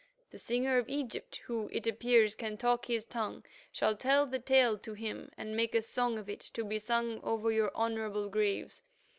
The Singer of Egypt, who, it appears, can talk his tongue, shall tell the tale to him, and make a song of it to be sung over your honourable graves.